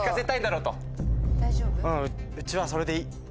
うんうちはそれでいい。